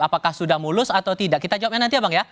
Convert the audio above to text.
apakah sudah mulus atau tidak kita jawabnya nanti ya bang ya